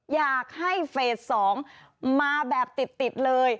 อยากให้เฟส๒มาแบบติดเลย